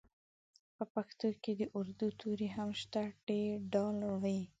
په پښتو کې د اردو توري هم شته ټ ډ ړ